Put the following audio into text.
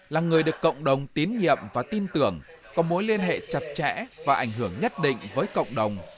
là người được cộng đồng tín nhiệm và tin tưởng có mối liên hệ chặt chẽ và ảnh hưởng nhất định với cộng đồng